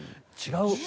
違う。